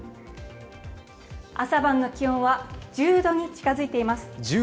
朝晩の気温は１０度に近づいています。